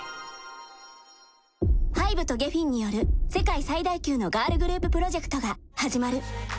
ＨＹＢＥとＧｅｆｆｅｎによる世界最大級のガールグループプロジェクトが始まる。